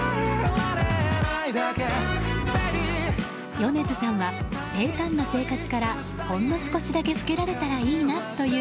米津さんは平たんな生活からほんの少しだけふけられたらいいなという